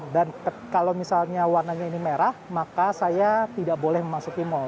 dan kalau misalnya warnanya ini merah maka saya tidak boleh memasuki mal